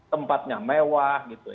tempatnya mewah gitu